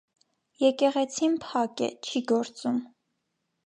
Եկեղեցին փակ է, չի գործում։